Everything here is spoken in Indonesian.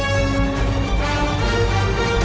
masih gue gila